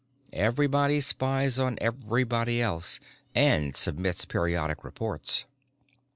Everybody spies on everybody else and submits periodic reports."